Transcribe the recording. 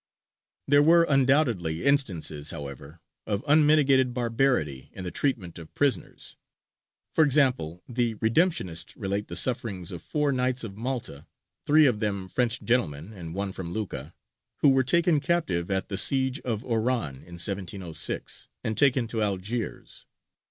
There were undoubtedly instances, however, of unmitigated barbarity in the treatment of prisoners. For example, the Redemptionists relate the sufferings of four Knights of Malta three of them French gentlemen, and one from Lucca who were taken captive at the siege of Oran in 1706, and taken to Algiers.